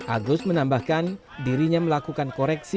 agus menambahkan dirinya melakukan koreksi